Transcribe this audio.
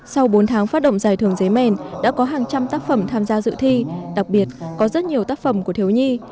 sau bốn tháng phát động giải thưởng giấy mèn đã có hàng trăm tác phẩm tham gia dự thi đặc biệt có rất nhiều tác phẩm của thiếu nhi